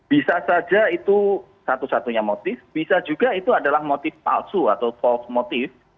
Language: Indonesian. bisa saja itu satu satunya motif bisa juga itu adalah motif palsu atau volt motif